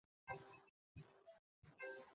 অপু এ সমস্ত বিশেষ কিছু দেখে নাই, সে ঘুমাইয়া পড়িয়াছিল।